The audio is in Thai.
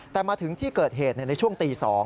แต่มาถึงที่เกิดเหตุในช่วงตี๒